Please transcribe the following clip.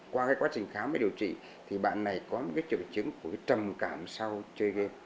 qua quá trình khám và điều trị thì bạn này có một triệu chứng trầm cảm sau chơi game